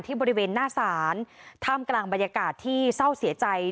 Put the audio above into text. บริเวณหน้าศาลท่ามกลางบรรยากาศที่เศร้าเสียใจ